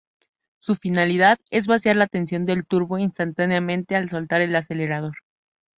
Su finalidad es vaciar la tensión del turbo instantáneamente al soltar el acelerador.